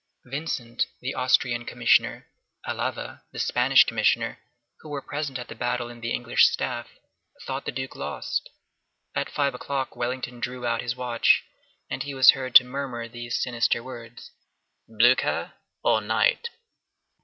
Vincent, the Austrian commissioner, Alava, the Spanish commissioner, who were present at the battle in the English staff, thought the Duke lost. At five o'clock Wellington drew out his watch, and he was heard to murmur these sinister words, "Blücher, or night!"